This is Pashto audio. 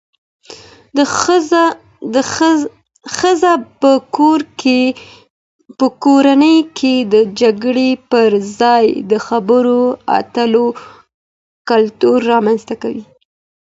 ښځه په کورنۍ کي د جګړې پر ځای د خبرو اترو کلتور رامنځته کوي